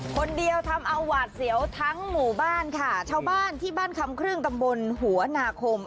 คนเดียวทำเอาหวาดเสียวทั้งหมู่บ้านค่ะชาวบ้านที่บ้านคำครึ่งตำบลหัวนาคม